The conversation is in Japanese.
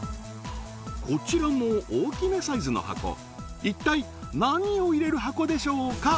こちらの大きめサイズの箱一体何を入れる箱でしょうか？